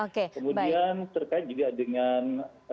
kemudian terkait juga dengan